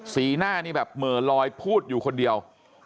สีหน้านี่แบบเหม่อลอยพูดอยู่คนเดียว